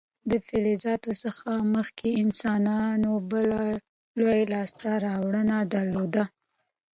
د فلزاتو څخه مخکې انسانانو بله لویه لاسته راوړنه درلوده.